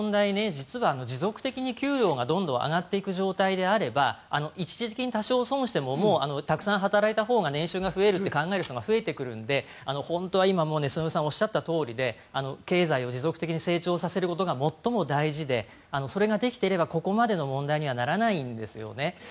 実は持続的に給料が上がっていく状態であれば一時的に損をしてももう、たくさん働いたほうが年収が増えると考える人が増えてくるので本当は、今末延さんがおっしゃったとおりで経済を持続的に成長させることが最も大事でそれができていればここまでの問題にはならないんですね。